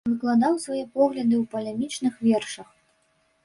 Выкладаў свае погляды ў палемічных вершах.